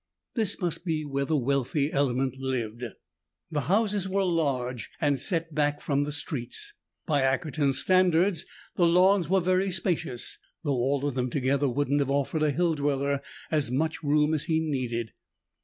This must be where the wealthy element lived. The houses were large and set back from the streets. By Ackerton standards, the lawns were very spacious, though all of them together wouldn't have offered a hill dweller as much room as he needed.